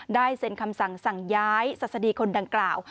เซ็นคำสั่งสั่งย้ายศัษฎีคนดังกล่าว